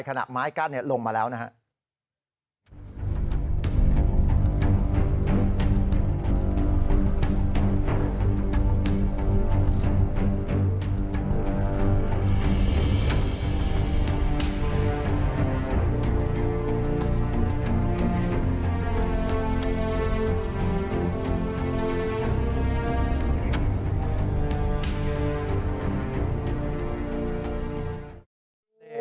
ไม้กั้นลงมาแล้วนะครับ